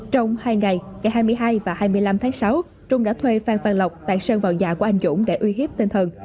trong hai ngày ngày hai mươi hai và hai mươi năm tháng sáu trung đã thuê phan văn lộc tại sơn vào nhà của anh dũng để uy hiếp tinh thần